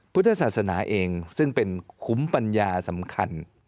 พุทธศาสนาเองซึ่งเป็นคุ้มปัญญาสำคัญ